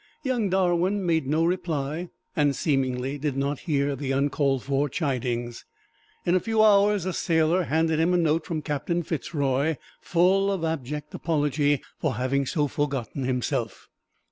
Young Darwin made no reply, and seemingly did not hear the uncalled for chidings. In a few hours a sailor handed him a note from Captain Fitz Roy, full of abject apology for having so forgotten himself.